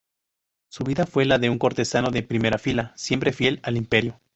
Su vida fue la de un cortesano de primera fila, siempre fiel al Imperio.